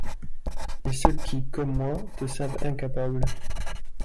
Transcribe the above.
Et ceux qui comme moi te savent incapable